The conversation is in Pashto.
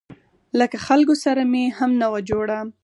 له خلکو سره مې هم نه وه جوړه.